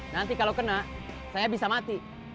nanti kalau kena saya bisa mati